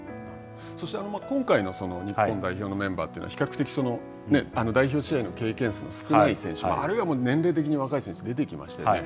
そして、今回の日本代表のメンバーというのは、比較的代表試合の経験数の少ない選手、あるいは年齢的に若い選手が出てきましたよね。